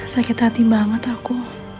sakit hati banget aku